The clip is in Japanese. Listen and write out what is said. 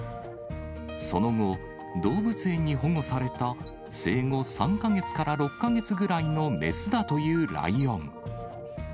その後、動物園に保護された生後３か月から６か月ぐらいの雌だというライオン。